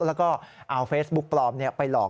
แล้วก็เอาเฟซบุ๊กปลอมไปหลอก